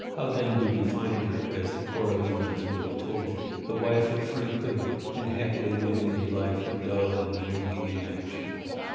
How, then, do we find her (as the Coralians would have told you) the wife of Frank Goodwin, and happily living a life of dull and dreamy inaction?